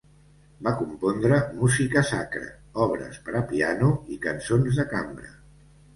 Va compondre música sacra, obres per a piano i cançons de cambra.